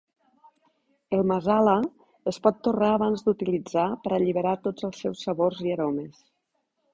El masala es pot torrar abans d'utilitzar per alliberar tots els seus sabors i aromes.